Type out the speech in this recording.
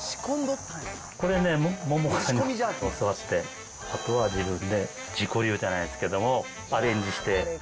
これね、桃子さんに教わって、あとは自分で自己流じゃないですけれども、アレンジして。